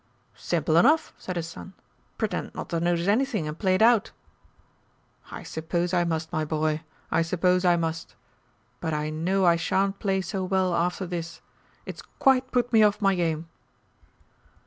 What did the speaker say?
"Simple enough," said his son, "pretend not to notice anything and play it out." "I suppose I must, my boy, I suppose I must. But I know I shan't play so well after this it's quite put me off my game!"